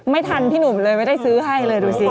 ไม่ทันพี่หนุ่มเลยไม่ได้ซื้อให้เลยดูสิ